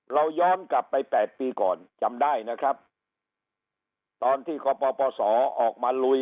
ย้อนกลับไปแปดปีก่อนจำได้นะครับตอนที่กปปศออกมาลุย